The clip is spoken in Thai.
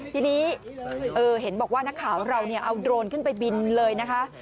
ทีนี้เห็นบอกว่านักข่าวเราเอาโดรนขึ้นไปบินเลยนะคะ